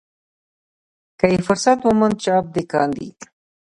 که یې فرصت وموند چاپ دې کاندي.